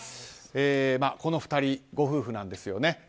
この２人、ご夫婦なんですよね。